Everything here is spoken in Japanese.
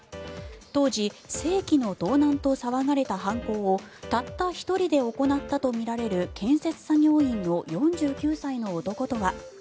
当時、世紀の盗難と騒がれた犯行をたった１人で行ったとみられる建設作業員の４９歳の男とは。